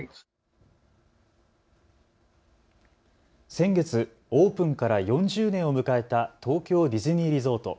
先月、オープンから４０年を迎えた東京ディズニーリゾート。